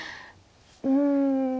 うん。